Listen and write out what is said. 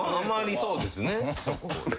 そうです。